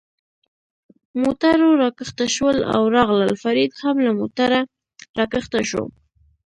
موټرو را کښته شول او راغلل، فرید هم له موټره را کښته شو.